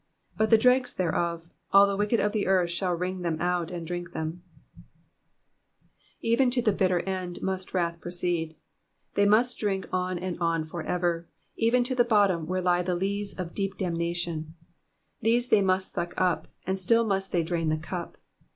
But the dregs thereof all the wicked of the earth shall wring them out^ and drink them,'*'* Even to the bitter end must wrath proceed. They must drink on and on for ever, even to the bottom where lie the lees of deep damnation ; these they must suck up, and still must thev drain the cup.